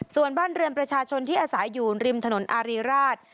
ส่วนบ้านเรือนประชาชนที่อาศัยอยู่ริมถนนอารีราช